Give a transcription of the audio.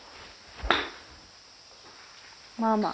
まあまあ。